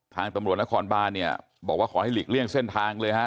ทางตำรวจนครบานเนี่ยบอกว่าขอให้หลีกเลี่ยงเส้นทางเลยฮะ